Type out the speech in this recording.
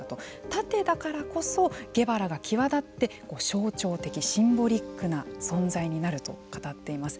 縦だからこそゲバラが際立って象徴的、シンボリックな存在になると語っています。